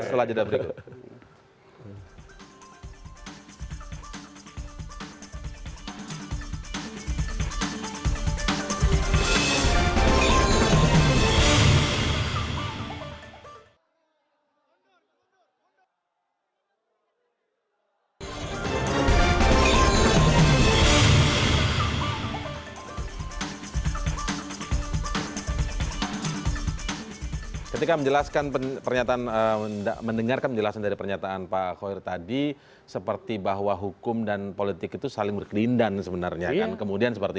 ini kan berarti pengaruh berarti